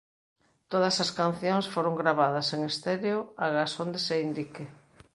Todas as cancións foron gravadas en estéreo agás onde se indique.